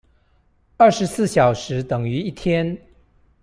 二十四小時等於一天